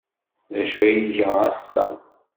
D acu ay iga ass-a?